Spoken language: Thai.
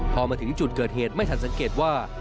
พอมาถึงจุดเกิดเหตุไม่ทันสังเกตว่า